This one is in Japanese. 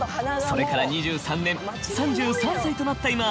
それから２３年３３歳となった